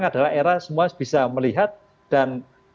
itu adalah hal yang cukup menjadikan perhatian